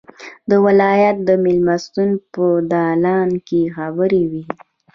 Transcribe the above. د ولایت مېلمستون په دالان کې خبرې وې.